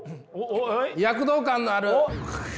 躍動感のある。